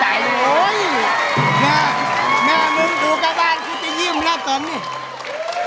หน้านึงระบานถุะยิ้มนักตอนนี้